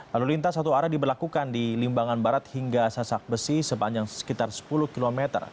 lalu lintas satu arah diberlakukan di limbangan barat hingga sasak besi sepanjang sekitar sepuluh km